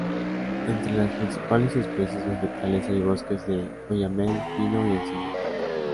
Entre las principales especies vegetales hay bosques de oyamel, pino y encino.